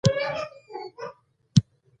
زه د ټک ټاک د مشهورو کسانو ویډیوګانې ګورم.